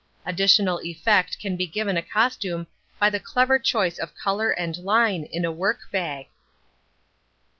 Additional effect can be given a costume by the clever choice of colour and line in a work bag.